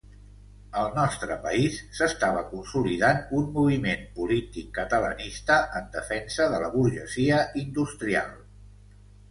Al nostre país s'estava consolidant un moviment polític catalanista en defensa de la burgesia industrial.